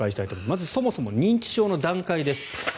まず、そもそも認知症の段階です。